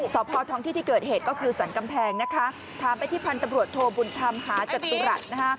สอบพอท้องที่ที่เกิดเหตุก็คือสรรกำแพงนะคะถามไปที่พันธุ์ตำรวจโทบุญธรรมหาจตุรัส